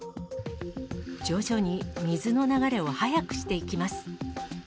徐々に水の流れを速くしていきます。